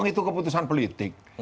itu keputusan politik